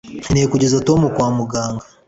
nkeneye kugeza tom kwa muganga